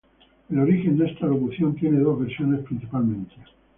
El origen de esta locución tiene dos versiones principalmente.